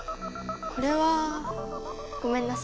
これはごめんなさい。